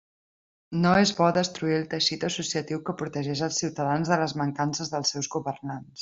No és bo destruir el teixit associatiu que protegeix els ciutadans de les mancances dels seus governants.